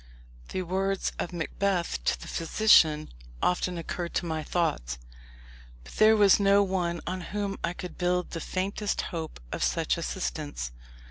The words of Macbeth to the physician often occurred to my thoughts. But there was no one on whom I could build the faintest hope of such assistance.